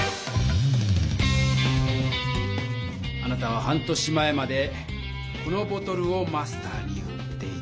あなたは半年前までこのボトルをマスターに売っていた。